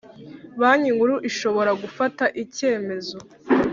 Banki Nkuru ishobora gufata icyemezo